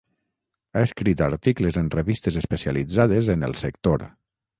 Ha escrit articles en revistes especialitzades en el sector.